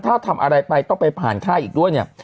ถ้าทำอะไรไปต้องไปผ่านค่ายอีกด้วยเนี่ย